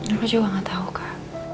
dulu juga nggak tahu kak